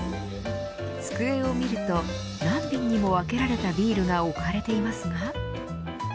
机を見ると何瓶にも分けられたビールが置かれていますが。